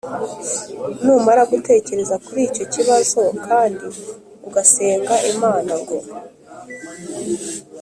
Numara gutekereza kuri icyo kibazo kandi ugasenga Imana ngo